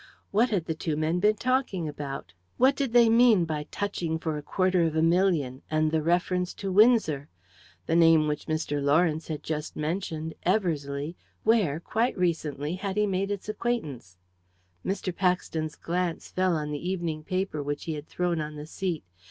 What had the two men been talking about? What did they mean by touching for a quarter of a million, and the reference to Windsor? The name which Mr. Lawrence had just mentioned, Eversleigh where, quite recently, had he made its acquaintance? Mr. Paxton's glance fell on the evening paper which he had thrown on the seat.